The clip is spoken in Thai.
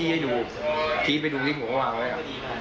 ที่ให้ดูพี่ไปดูนี่กูก็ว่าไว้อ่ะ